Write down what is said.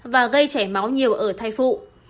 và gây chảy máu nhiều ở thai phụ